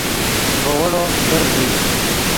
ڤے ویڑو در ݱئے